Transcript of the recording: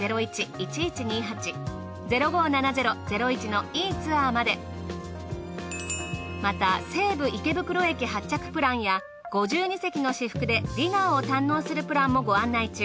お問い合わせはまた西武池袋駅発着プランや「５２席の至福」でディナーを堪能するプランもご案内中。